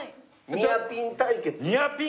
ニアピン対決。